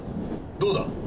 どうだ？